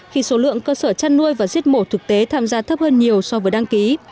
khi số lượng cơ sở chăn nuôi và giết mổ thực tế tham gia thấp hơn nhiều so với đăng ký